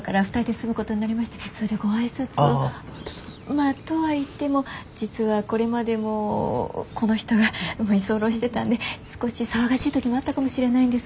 まぁとはいっても実はこれまでもこの人が居候してたんで少し騒がしい時もあったかもしれないんですけど。